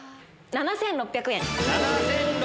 ７６００円。